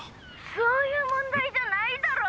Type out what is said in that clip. そういう問題じゃないだろ！